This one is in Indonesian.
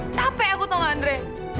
capek aku tau nggak andre